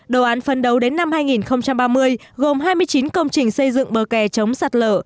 đồ án phân đấu đến năm hai nghìn ba mươi gồm hai mươi chín công trình xây dựng bờ kè chống sạt lở